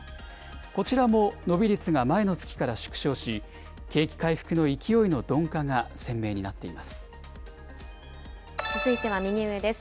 こちらも伸び率が前の月から縮小し、景気回復の勢いの鈍化が鮮明続いては右上です。